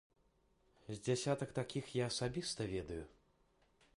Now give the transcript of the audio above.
З дзясятак такіх я асабіста ведаю.